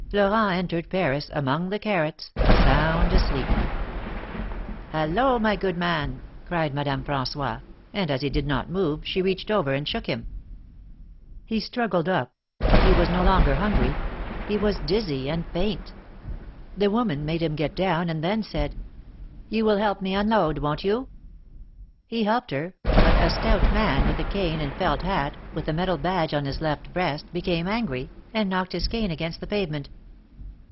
Florent entered Paris among the carrots — sound asleep. ''Hallo! my good man,'' cried Madame Fran9ois, and as he did not move, she reached over and shook him. He struggled up — he was no longer hungry — he was dizzy and faint. The woman made him get down, and then said : "You will help me unload, won't you?" He helped her, but a stout man, with a cane and a felt hat, with a metal badge on his left breast, became angry, and knocked his cane against the pavement.